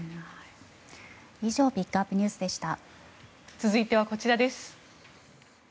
以上ピックアップＮＥＷＳでした。